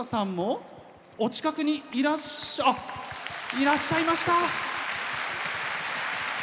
いらっしゃいました！